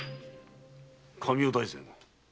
神尾大善。